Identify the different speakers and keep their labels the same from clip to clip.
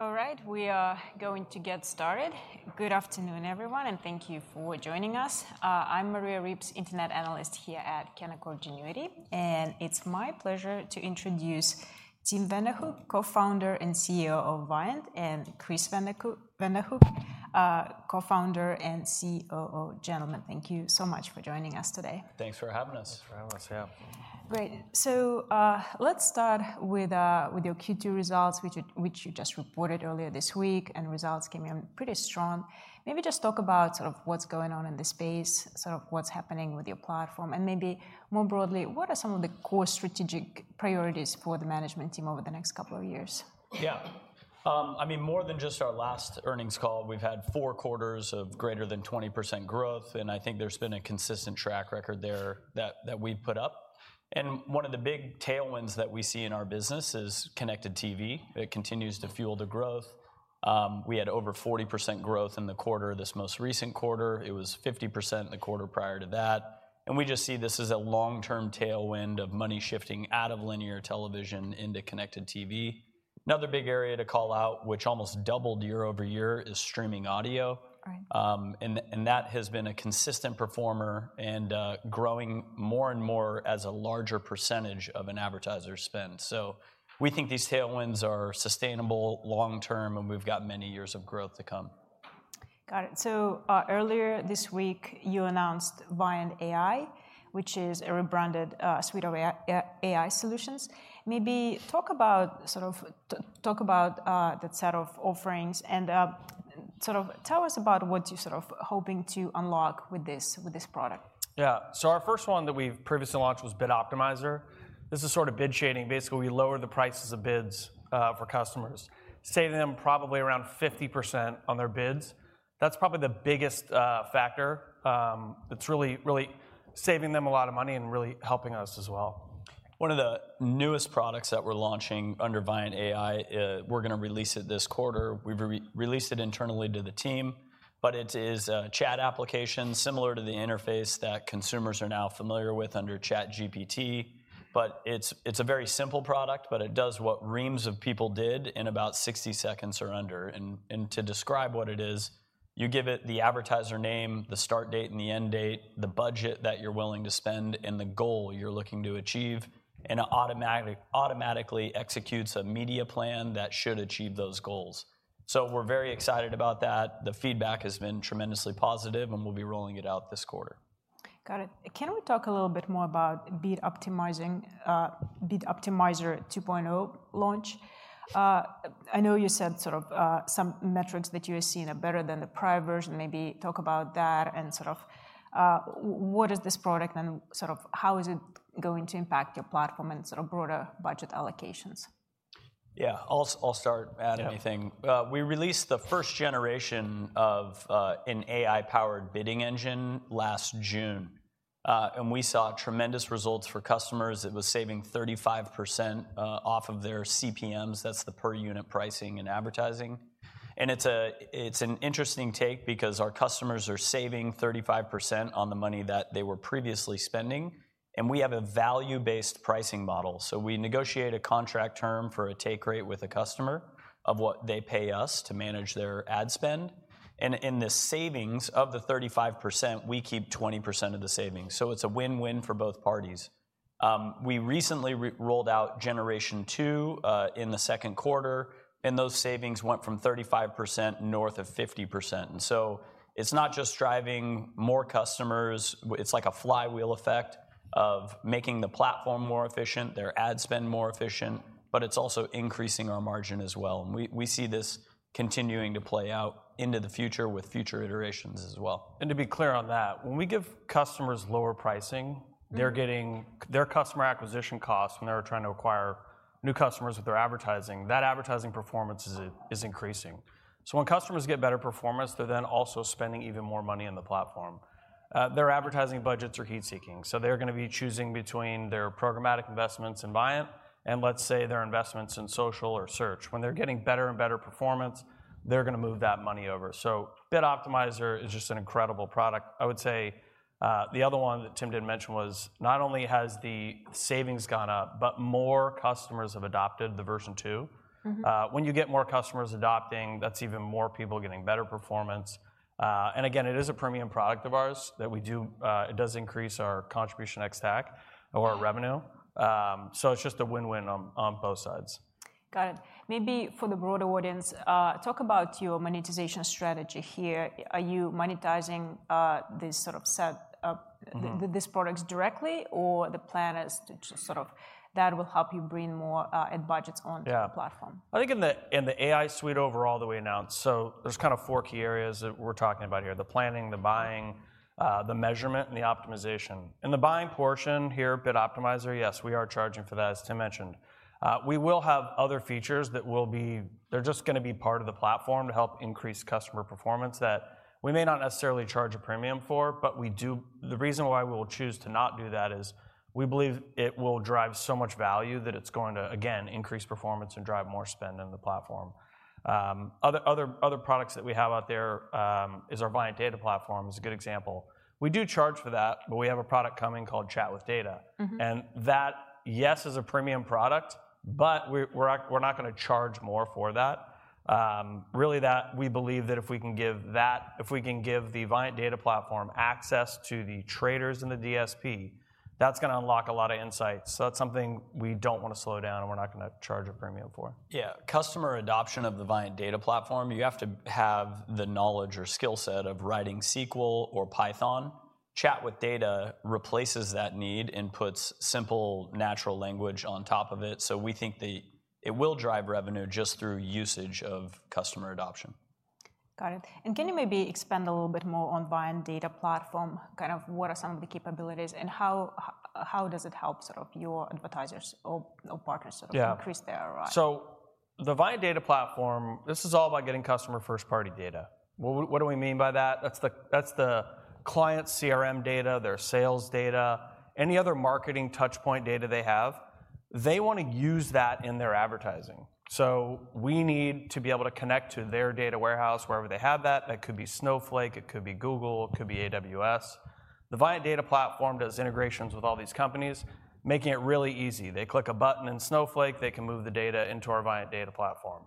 Speaker 1: All right, we are going to get started. Good afternoon, everyone, and thank you for joining us. I'm Maria Ripps, Internet Analyst here at Canaccord Genuity, and it's my pleasure to introduce Tim Vanderhook, Co-Founder and CEO of Viant, and Chris Vanderhook, Co-Founder and COO. Gentlemen, thank you so much for joining us today.
Speaker 2: Thanks for having us.
Speaker 3: Thanks for having us. Yeah.
Speaker 1: Great. So, let's start with, with your Q2 results, which you, which you just reported earlier this week, and results came in pretty strong. Maybe just talk about sort of what's going on in the space, sort of what's happening with your platform, and maybe more broadly, what are some of the core strategic priorities for the management team over the next couple of years?
Speaker 2: Yeah. I mean, more than just our last earnings call, we've had four quarters of greater than 20% growth, and I think there's been a consistent track record there that we've put up. One of the big tailwinds that we see in our business is connected TV. It continues to fuel the growth. We had over 40% growth in the quarter, this most recent quarter. It was 50% in the quarter prior to that, and we just see this as a long-term tailwind of money shifting out of linear television into connected TV. Another big area to call out, which almost doubled year-over-year, is streaming audio.
Speaker 1: Right.
Speaker 2: And that has been a consistent performer and growing more and more as a larger percentage of an advertiser's spend. So we think these tailwinds are sustainable long term, and we've got many years of growth to come.
Speaker 1: Got it. So, earlier this week, you announced Viant AI, which is a rebranded suite of AI, AI solutions. Maybe talk about sort of... talk about that set of offerings and sort of tell us about what you're sort of hoping to unlock with this product.
Speaker 2: Yeah. So our first one that we've previously launched was Bid Optimizer. This is sort of bid shading. Basically, we lower the prices of bids for customers, saving them probably around 50% on their bids. That's probably the biggest factor. It's really, really saving them a lot of money and really helping us as well. One of the newest products that we're launching under Viant AI. We're gonna release it this quarter. We've re-released it internally to the team, but it is a chat application similar to the interface that consumers are now familiar with under ChatGPT. But it's a very simple product, but it does what reams of people did in about 60 seconds or under. And to describe what it is: you give it the advertiser name, the start date, and the end date, the budget that you're willing to spend, and the goal you're looking to achieve, and it automatically executes a media plan that should achieve those goals. So we're very excited about that. The feedback has been tremendously positive, and we'll be rolling it out this quarter.
Speaker 1: Got it. Can we talk a little bit more about bid optimizing, Bid Optimizer 2.0 launch? I know you said sort of, some metrics that you are seeing are better than the prior version. Maybe talk about that and sort of, what is this product and sort of how is it going to impact your platform and sort of broader budget allocations?
Speaker 2: Yeah. I'll start, add anything.
Speaker 3: Yeah.
Speaker 2: We released the first generation of an AI-powered bidding engine last June, and we saw tremendous results for customers. It was saving 35% off of their CPMs. That's the per unit pricing in advertising. It's an interesting take because our customers are saving 35% on the money that they were previously spending, and we have a value-based pricing model. We negotiate a contract term for a take rate with a customer of what they pay us to manage their ad spend, and in the savings of the 35%, we keep 20% of the savings, so it's a win-win for both parties. We recently re-rolled out generation two in the second quarter, and those savings went from 35% north of 50%. And so it's not just driving more customers, it's like a flywheel effect of making the platform more efficient, their ad spend more efficient, but it's also increasing our margin as well. We see this continuing to play out into the future with future iterations as well. To be clear on that, when we give customers lower pricing- Mm-hmm... they're getting their customer acquisition costs when they're trying to acquire new customers with their advertising, that advertising performance is increasing. So when customers get better performance, they're then also spending even more money on the platform. Their advertising budgets are heat-seeking, so they're gonna be choosing between their programmatic investments in Viant and, let's say, their investments in social or search. When they're getting better and better performance, they're gonna move that money over. So Bid Optimizer is just an incredible product. I would say, the other one that Tim didn't mention was not only has the savings gone up, but more customers have adopted the version 2.
Speaker 1: Mm-hmm. When you get more customers adopting, that's even more people getting better performance. And again, it is a premium product of ours. It does increase our contribution ex-TAC or our revenue. Mm-hmm. So it's just a win-win on both sides. Got it. Maybe for the broader audience, talk about your monetization strategy here. Are you monetizing, this sort of set of-
Speaker 2: Mm-hmm...
Speaker 1: these products directly, or the plan is to just sort of that will help you bring more ad budgets onto-
Speaker 2: Yeah...
Speaker 1: the platform?
Speaker 3: I think in the AI suite overall that we announced, so there's kind of four key areas that we're talking about here: the planning, the buying, the measurement, and the optimization. In the buying portion here, Bid Optimizer, yes, we are charging for that, as Tim mentioned. We will have other features. They're just gonna be part of the platform to help increase customer performance that we may not necessarily charge a premium for, but the reason why we will choose to not do that is we believe it will drive so much value that it's going to, again, increase performance and drive more spend in the platform. Other products that we have out there is our Viant Data Platform, a good example. We do charge for that, but we have a product coming called Chat with Data.
Speaker 1: Mm-hmm.
Speaker 3: That, yes, is a premium product, but we're not gonna charge more for that. Really, we believe that if we can give the Viant Data Platform access to the traders in the DSP. That's gonna unlock a lot of insights. That's something we don't wanna slow down, and we're not gonna charge a premium for.
Speaker 2: Yeah, customer adoption of the Viant Data Platform, you have to have the knowledge or skill set of writing SQL or Python. Chat with Data replaces that need and puts simple natural language on top of it. So we think that it will drive revenue just through usage of customer adoption.
Speaker 1: Got it. And can you maybe expand a little bit more on Viant Data Platform, kind of what are some of the capabilities, and how does it help sort of your advertisers or partners sort of-
Speaker 3: Yeah
Speaker 1: - increase their ROI?
Speaker 3: So the Viant Data Platform, this is all about getting customer first-party data. Well, what do we mean by that? That's the client CRM data, their sales data, any other marketing touchpoint data they have, they want to use that in their advertising. So we need to be able to connect to their data warehouse, wherever they have that. That could be Snowflake, it could be Google, it could be AWS. The Viant Data Platform does integrations with all these companies, making it really easy. They click a button in Snowflake, they can move the data into our Viant Data Platform.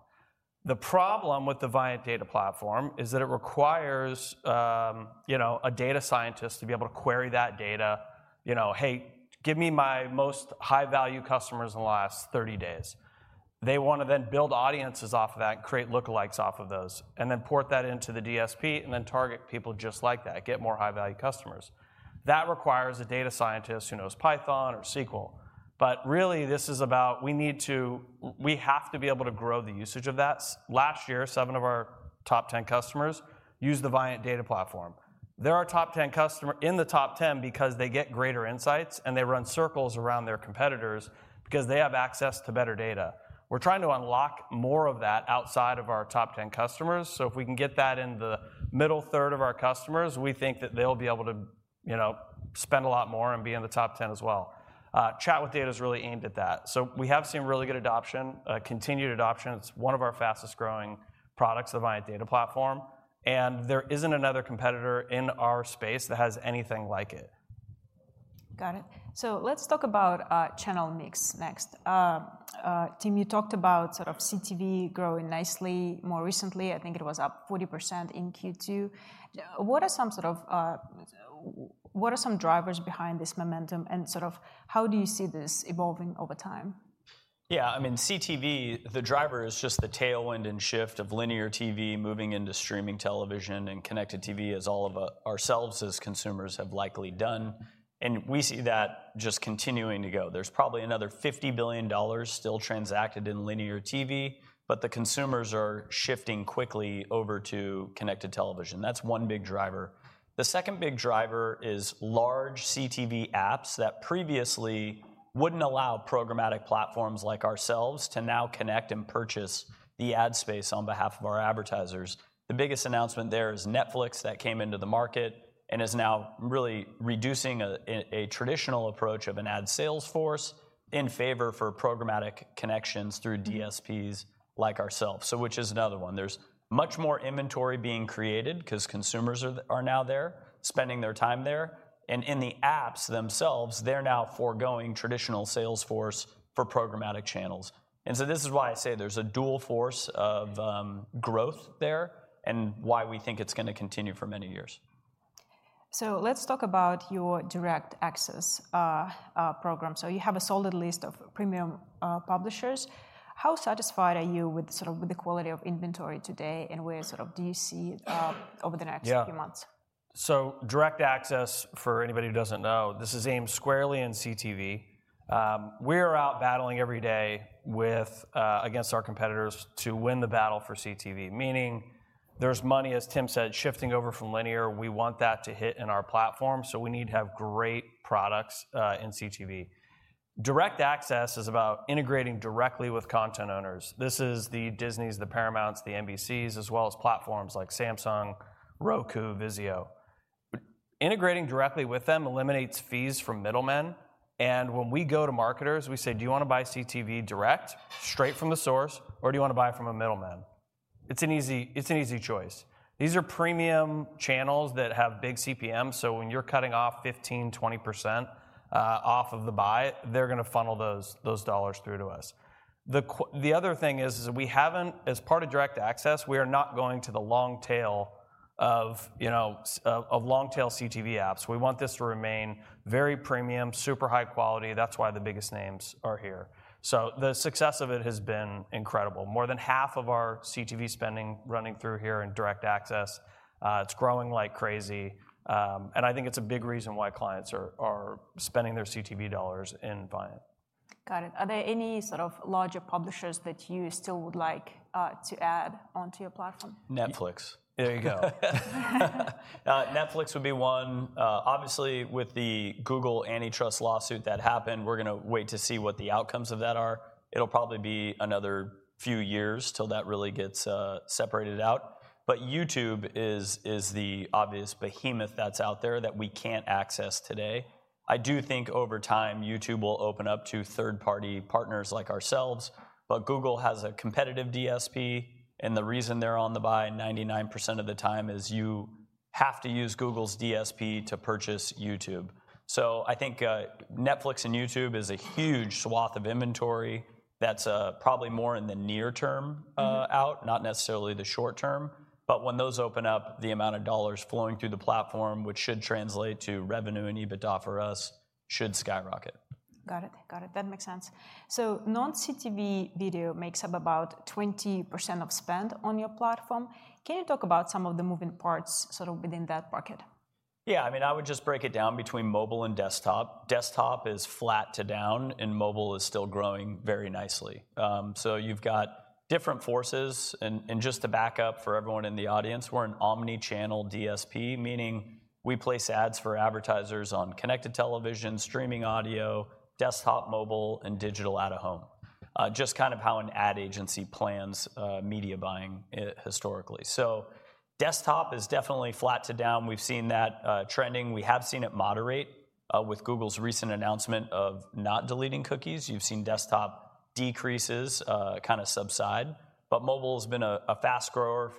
Speaker 3: The problem with the Viant Data Platform is that it requires, you know, a data scientist to be able to query that data. You know, "Hey, give me my most high-value customers in the last 30 days." They want to then build audiences off of that and create lookalikes off of those, and then port that into the DSP, and then target people just like that, get more high-value customers. That requires a data scientist who knows Python or SQL. But really, this is about we have to be able to grow the usage of that. Last year, 7 of our top 10 customers used the Viant Data Platform. They're our top 10 customer... in the top 10 because they get greater insights, and they run circles around their competitors because they have access to better data. We're trying to unlock more of that outside of our top 10 customers. So if we can get that in the middle third of our customers, we think that they'll be able to, you know, spend a lot more and be in the top ten as well. Chat with Data is really aimed at that. So we have seen really good adoption, continued adoption. It's one of our fastest-growing products, the Viant Data Platform, and there isn't another competitor in our space that has anything like it.
Speaker 1: Got it. So let's talk about channel mix next. Tim, you talked about sort of CTV growing nicely more recently. I think it was up 40% in Q2. What are some sort of drivers behind this momentum, and sort of how do you see this evolving over time?
Speaker 2: Yeah, I mean, CTV, the driver is just the tailwind and shift of linear TV moving into streaming television and connected TV, as all of us, ourselves, as consumers, have likely done, and we see that just continuing to go. There's probably another $50 billion still transacted in linear TV, but the consumers are shifting quickly over to connected television. That's one big driver. The second big driver is large CTV apps that previously wouldn't allow programmatic platforms like ourselves to now connect and purchase the ad space on behalf of our advertisers. The biggest announcement there is Netflix that came into the market and is now really reducing a traditional approach of an ad sales force in favor for programmatic connections through DSPs like ourselves, so which is another one. There's much more inventory being created because consumers are now there, spending their time there, and in the apps themselves, they're now forgoing traditional sales force for programmatic channels. And so this is why I say there's a dual force of growth there and why we think it's gonna continue for many years.
Speaker 1: So let's talk about your Direct Access program. So you have a solid list of premium publishers. How satisfied are you with sort of with the quality of inventory today, and where sort of do you see over the next-
Speaker 3: Yeah
Speaker 1: - few months?
Speaker 3: So Direct Access, for anybody who doesn't know, this is aimed squarely in CTV. We're out battling every day against our competitors to win the battle for CTV. Meaning, there's money, as Tim said, shifting over from linear. We want that to hit in our platform, so we need to have great products in CTV. Direct Access is about integrating directly with content owners. This is the Disneys, the Paramounts, the NBCs, as well as platforms like Samsung, Roku, Vizio. Integrating directly with them eliminates fees from middlemen, and when we go to marketers, we say, "Do you want to buy CTV direct, straight from the source, or do you want to buy it from a middleman?" It's an easy, it's an easy choice. These are premium channels that have big CPM, so when you're cutting off 15%-20% off of the buy, they're gonna funnel those dollars through to us. The other thing is, we haven't—as part of Direct Access, we are not going to the long tail of, you know, of long-tail CTV apps. We want this to remain very premium, super high quality. That's why the biggest names are here. So the success of it has been incredible. More than half of our CTV spending running through here in Direct Access, it's growing like crazy, and I think it's a big reason why clients are spending their CTV dollars in Viant.
Speaker 1: Got it. Are there any sort of larger publishers that you still would like to add onto your platform?
Speaker 2: Netflix.
Speaker 3: There you go.
Speaker 2: Netflix would be one. Obviously, with the Google antitrust lawsuit that happened, we're gonna wait to see what the outcomes of that are. It'll probably be another few years till that really gets separated out. But YouTube is the obvious behemoth that's out there that we can't access today. I do think over time, YouTube will open up to third-party partners like ourselves, but Google has a competitive DSP, and the reason they're on the buy 99% of the time is you have to use Google's DSP to purchase YouTube. So I think, Netflix and YouTube is a huge swath of inventory that's probably more in the near term-
Speaker 1: Mm-hmm...
Speaker 2: out, not necessarily the short term. But when those open up, the amount of dollars flowing through the platform, which should translate to revenue and EBITDA for us, should skyrocket....
Speaker 1: Got it. Got it. That makes sense. So non-CTV video makes up about 20% of spend on your platform. Can you talk about some of the moving parts sort of within that bucket?
Speaker 2: Yeah, I mean, I would just break it down between mobile and desktop. Desktop is flat to down, and mobile is still growing very nicely. So you've got different forces. And just to back up for everyone in the audience, we're an omni-channel DSP, meaning we place ads for advertisers on connected television, streaming audio, desktop, mobile, and digital out-of-home. Just kind of how an ad agency plans media buying historically. So desktop is definitely flat to down. We've seen that trending. We have seen it moderate with Google's recent announcement of not deleting cookies. You've seen desktop decreases kind of subside, but mobile's been a fast grower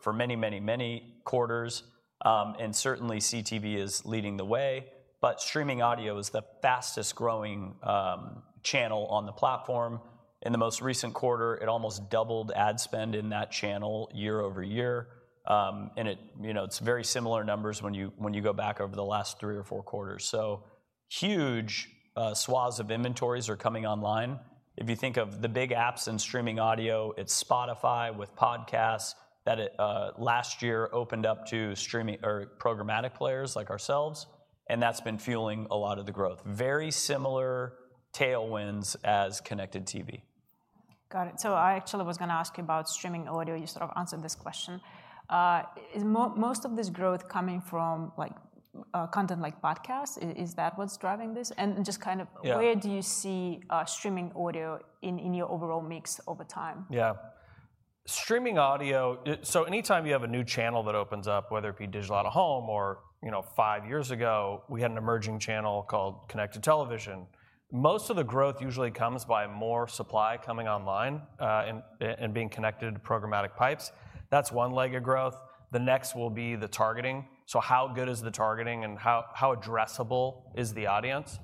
Speaker 2: for many, many, many quarters. And certainly, CTV is leading the way, but streaming audio is the fastest-growing channel on the platform. In the most recent quarter, it almost doubled ad spend in that channel year over year. And it, you know, it's very similar numbers when you, when you go back over the last three or four quarters. So huge swaths of inventories are coming online. If you think of the big apps in streaming audio, it's Spotify with podcasts that it last year opened up to streaming or programmatic players like ourselves, and that's been fueling a lot of the growth. Very similar tailwinds as connected TV.
Speaker 1: Got it. So I actually was gonna ask you about streaming audio. You sort of answered this question. Is most of this growth coming from, like, content like podcasts? Is that what's driving this? And just kind of-
Speaker 2: Yeah.
Speaker 1: Where do you see streaming audio in your overall mix over time?
Speaker 2: Yeah. Streaming audio, it. So anytime you have a new channel that opens up, whether it be digital out-of-home or, you know, 5 years ago, we had an emerging channel called connected television, most of the growth usually comes by more supply coming online, and being connected to programmatic pipes. That's one leg of growth. The next will be the targeting. So how good is the targeting, and how addressable is the audience?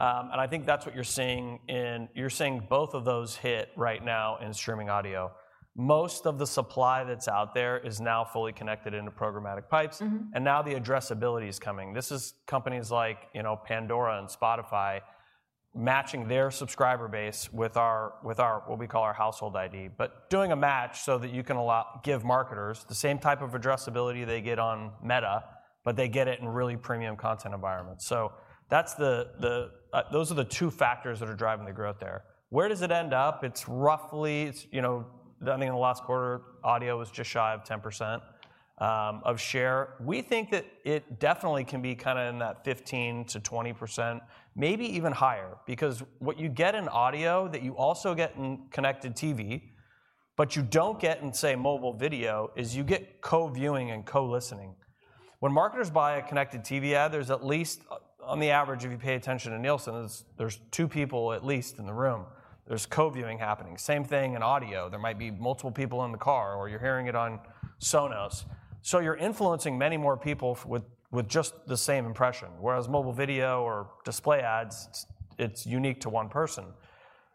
Speaker 2: And I think that's what you're seeing in—you're seeing both of those hit right now in streaming audio. Most of the supply that's out there is now fully connected into programmatic pipes.
Speaker 1: Mm-hmm.
Speaker 2: And now the addressability is coming. This is companies like, you know, Pandora and Spotify, matching their subscriber base with our what we call our Household ID. But doing a match so that you can give marketers the same type of addressability they get on Meta, but they get it in really premium content environments. So that's those are the two factors that are driving the growth there. Where does it end up? It's roughly, it's, you know... I think in the last quarter, audio was just shy of 10% of share. We think that it definitely can be kind of in that 15%-20%, maybe even higher, because what you get in audio that you also get in Connected TV, but you don't get in, say, mobile video, is you get co-viewing and co-listening. When marketers buy a connected TV ad, there's at least, on the average, if you pay attention to Nielsen, there's two people at least in the room. There's co-viewing happening. Same thing in audio. There might be multiple people in the car, or you're hearing it on Sonos. So you're influencing many more people with just the same impression, whereas mobile video or display ads, it's unique to one person.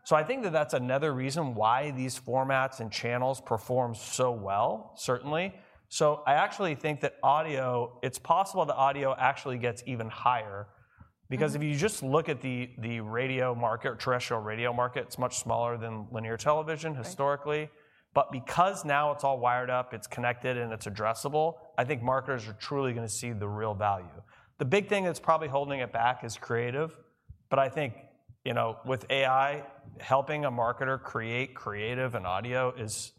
Speaker 2: So I think that that's another reason why these formats and channels perform so well, certainly. So I actually think that audio, it's possible that audio actually gets even higher.
Speaker 1: Mm-hmm.
Speaker 2: Because if you just look at the radio market, terrestrial radio market, it's much smaller than linear television historically.
Speaker 1: Right.
Speaker 2: But because now it's all wired up, it's connected, and it's addressable, I think marketers are truly gonna see the real value. The big thing that's probably holding it back is creative, but I think, you know, with AI, helping a marketer create creative and audio is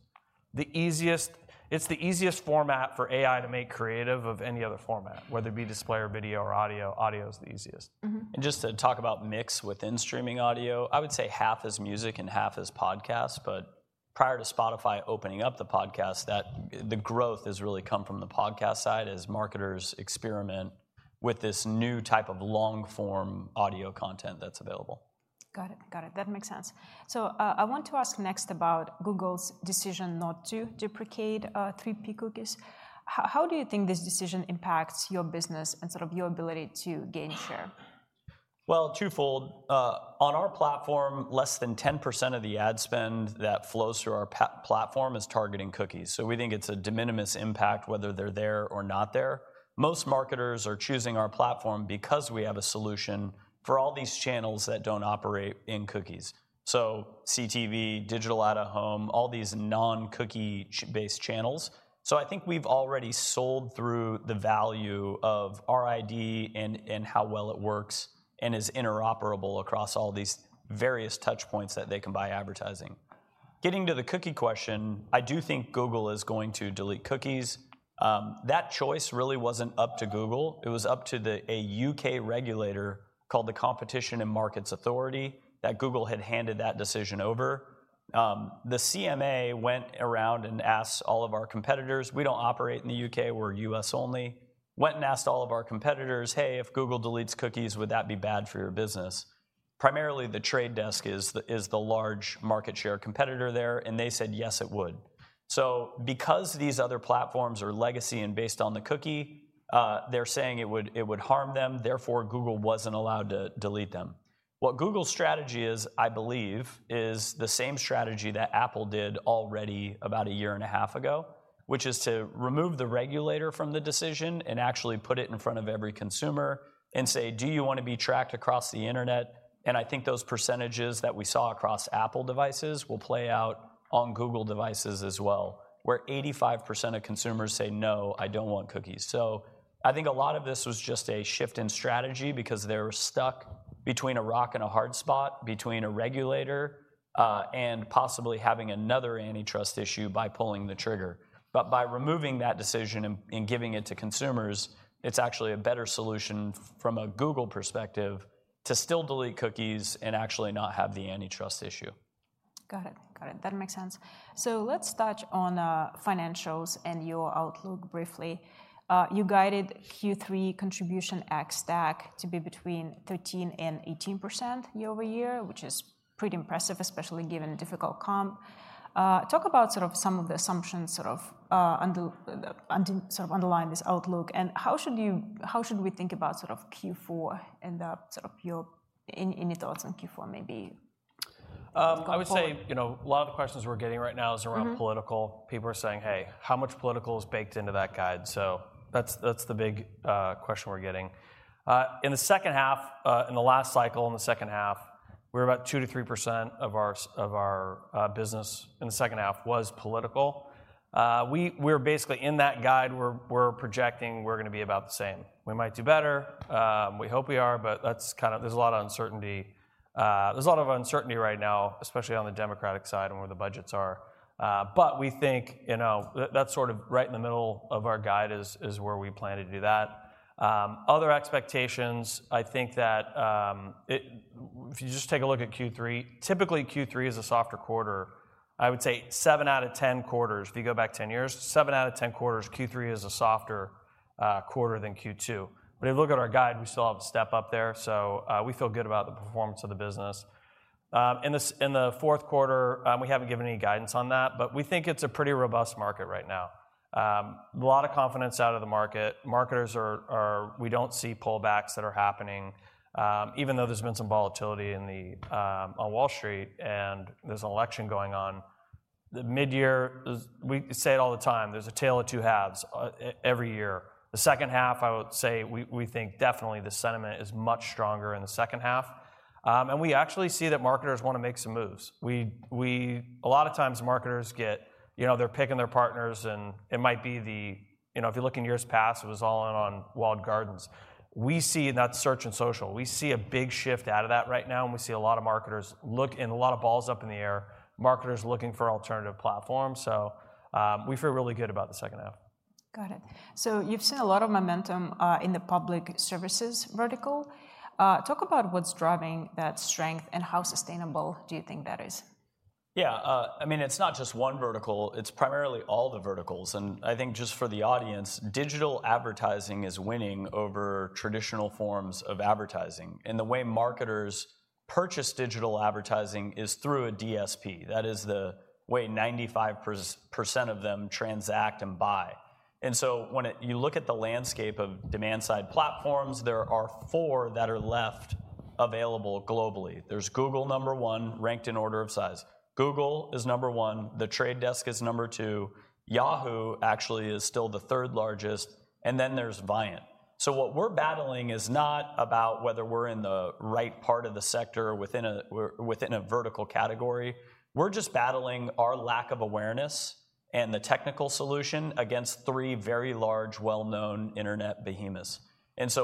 Speaker 2: the easiest... It's the easiest format for AI to make creative of any other format, whether it be display or video or audio. Audio is the easiest.
Speaker 1: Mm-hmm.
Speaker 2: Just to talk about mix within streaming audio, I would say half is music and half is podcast, but prior to Spotify opening up the podcast, that the growth has really come from the podcast side as marketers experiment with this new type of long-form audio content that's available.
Speaker 1: Got it, got it. That makes sense. So, I want to ask next about Google's decision not to deprecate 3P cookies. How do you think this decision impacts your business and sort of your ability to gain share?
Speaker 2: Well, twofold. On our platform, less than 10% of the ad spend that flows through our platform is targeting cookies, so we think it's a de minimis impact, whether they're there or not there. Most marketers are choosing our platform because we have a solution for all these channels that don't operate in cookies, so CTV, digital out-of-home, all these non-cookie based channels. So I think we've already sold through the value of our ID and how well it works and is interoperable across all these various touchpoints that they can buy advertising. Getting to the cookie question, I do think Google is going to delete cookies. That choice really wasn't up to Google. It was up to a UK regulator, called the Competition and Markets Authority, that Google had handed that decision over. The CMA went around and asked all of our competitors. We don't operate in the U.K. We're U.S. only. Went and asked all of our competitors, "Hey, if Google deletes cookies, would that be bad for your business?" Primarily, The Trade Desk is the large market share competitor there, and they said, yes, it would. So because these other platforms are legacy and based on the cookie, they're saying it would harm them, therefore, Google wasn't allowed to delete them.... What Google's strategy is, I believe, is the same strategy that Apple did already about a year and a half ago, which is to remove the regulator from the decision and actually put it in front of every consumer and say, "Do you want to be tracked across the internet?" And I think those percentages that we saw across Apple devices will play out on Google devices as well, where 85% of consumers say, "No, I don't want cookies." So I think a lot of this was just a shift in strategy because they're stuck between a rock and a hard spot, between a regulator and possibly having another antitrust issue by pulling the trigger. But by removing that decision and, and giving it to consumers, it's actually a better solution from a Google perspective, to still delete cookies and actually not have the antitrust issue.
Speaker 1: Got it. Got it. That makes sense. So let's touch on financials and your outlook briefly. You guided Q3 contribution ex-TAC to be between 13% and 18% year-over-year, which is pretty impressive, especially given a difficult comp. Talk about sort of some of the assumptions sort of under- sort of underlying this outlook, and how should you-- how should we think about sort of Q4 and sort of your... Any, any thoughts on Q4 maybe going forward?
Speaker 2: I would say, you know, a lot of the questions we're getting right now-
Speaker 1: Mm-hmm...
Speaker 2: is around political. People are saying, "Hey, how much political is baked into that guide?" So that's the big question we're getting. In the second half, in the last cycle, in the second half, we're about 2%-3% of our business in the second half was political. We're basically in that guide; we're projecting we're gonna be about the same. We might do better, we hope we are, but that's kind of... There's a lot of uncertainty. There's a lot of uncertainty right now, especially on the Democratic side and where the budgets are. But we think, you know, that that's sort of right in the middle of our guide is where we plan to do that. Other expectations, I think that if you just take a look at Q3, typically, Q3 is a softer quarter. I would say 7 out of 10 quarters, if you go back 10 years, 7 out of 10 quarters, Q3 is a softer quarter than Q2. When you look at our guide, we still have to step up there, so we feel good about the performance of the business. In the fourth quarter, we haven't given any guidance on that, but we think it's a pretty robust market right now. A lot of confidence out of the market. Marketers are. We don't see pullbacks that are happening, even though there's been some volatility in the on Wall Street, and there's an election going on. The midyear—we say it all the time: there's a tale of two halves, every year. The second half, I would say, we think definitely the sentiment is much stronger in the second half. And we actually see that marketers wanna make some moves. A lot of times marketers get, you know, they're picking their partners, and it might be... You know, if you look in years past, it was all in on walled gardens. We see in that search and social, we see a big shift out of that right now, and we see a lot of marketers look and a lot of balls up in the air, marketers looking for alternative platforms. So, we feel really good about the second half.
Speaker 1: Got it. So you've seen a lot of momentum in the public services vertical. Talk about what's driving that strength, and how sustainable do you think that is?
Speaker 2: Yeah, I mean, it's not just one vertical, it's primarily all the verticals, and I think just for the audience, digital advertising is winning over traditional forms of advertising. The way marketers purchase digital advertising is through a DSP. That is the way 95% of them transact and buy. So when you look at the landscape of demand-side platforms, there are four that are left available globally. There's Google, number one, ranked in order of size. Google is number one, The Trade Desk is number two, Yahoo! actually is still the third largest, and then there's Viant. So what we're battling is not about whether we're in the right part of the sector within a vertical category. We're just battling our lack of awareness and the technical solution against three very large, well-known internet behemoths.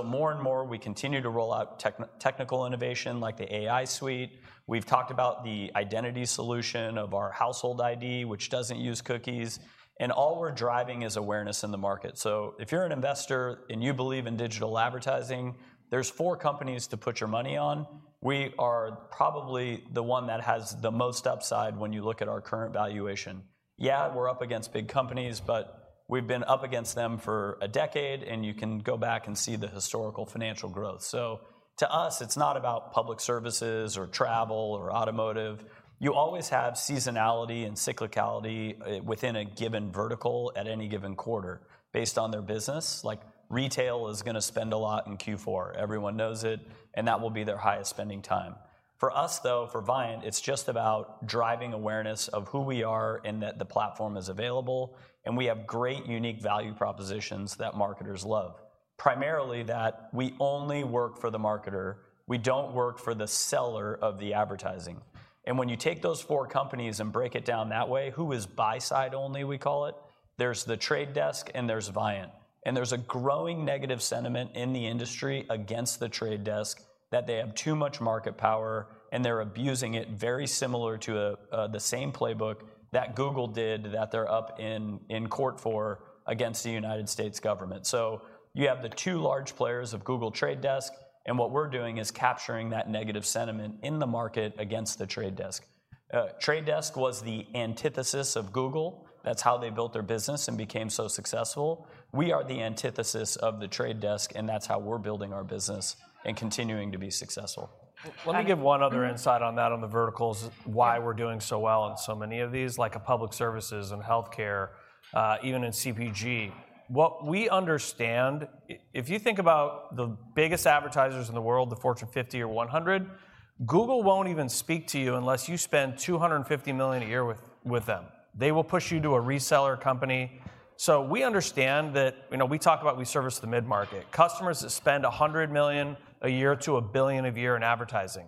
Speaker 2: More and more, we continue to roll out technical innovation like the AI suite. We've talked about the identity solution of our Household ID, which doesn't use cookies, and all we're driving is awareness in the market. So if you're an investor, and you believe in digital advertising, there's four companies to put your money on. We are probably the one that has the most upside when you look at our current valuation. Yeah, we're up against big companies, but we've been up against them for a decade, and you can go back and see the historical financial growth. So to us, it's not about public services or travel or automotive. You always have seasonality and cyclicality within a given vertical at any given quarter based on their business. Like, retail is gonna spend a lot in Q4. Everyone knows it, and that will be their highest spending time. For us, though, for Viant, it's just about driving awareness of who we are and that the platform is available, and we have great unique value propositions that marketers love. Primarily, that we only work for the marketer. We don't work for the seller of the advertising. And when you take those four companies and break it down that way, who is buy-side only, we call it? There's The Trade Desk, and there's Viant, and there's a growing negative sentiment in the industry against The Trade Desk, that they have too much market power, and they're abusing it very similar to the same playbook that Google did, that they're up in court for, against the United States government. So you have the two large players of Google, The Trade Desk, and what we're doing is capturing that negative sentiment in the market against The Trade Desk. Trade Desk was the antithesis of Google. That's how they built their business and became so successful. We are the antithesis of The Trade Desk, and that's how we're building our business and continuing to be successful.
Speaker 3: Let me give one other insight on that, on the verticals, why we're doing so well in so many of these, like in public services and healthcare, even in CPG. What we understand... if you think about the biggest advertisers in the world, the Fortune 50 or 100, Google won't even speak to you unless you spend $250 million a year with, with them. They will push you to a reseller company. So we understand that... You know, we talk about we service the mid-market, customers that spend $100 million a year to $1 billion a year in advertising.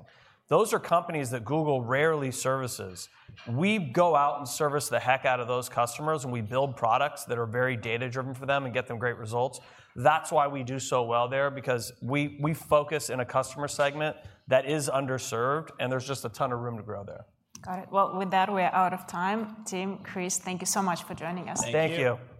Speaker 3: Those are companies that Google rarely services. We go out and service the heck out of those customers, and we build products that are very data-driven for them and get them great results. That's why we do so well there, because we focus in a customer segment that is underserved, and there's just a ton of room to grow there.
Speaker 1: Got it. Well, with that, we are out of time. Tim, Chris, thank you so much for joining us.
Speaker 2: Thank you.
Speaker 3: Thank you.